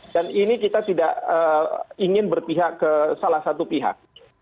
dan ini kita tidak ingin berpihak ke salah satu pihak